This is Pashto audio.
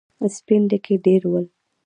سپين ډکي ډېر ول.